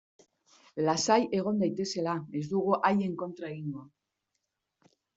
Lasai egon daitezela, ez dugu haien kontra egingo.